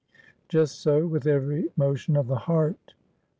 Just so with every motion of the heart.